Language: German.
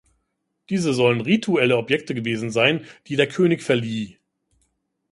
Diese sollen rituelle Objekte gewesen sein, die der König verlieh.